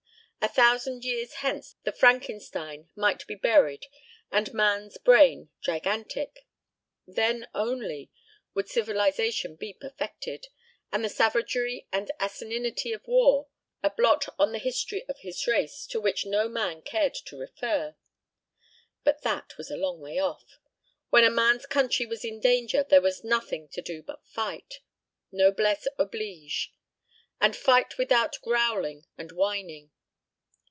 A thousand years hence the Frankenstein might be buried and man's brain gigantic. Then and then only would civilization be perfected, and the savagery and asininity of war a blot on the history of his race to which no man cared to refer. But that was a long way off. When a man's country was in danger there was nothing to do but fight. Noblesse oblige. And fight without growling and whining.